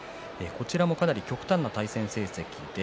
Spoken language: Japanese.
こちらも極端な対戦成績です。